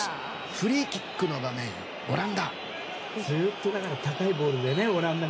フリーキックの場面、オランダ。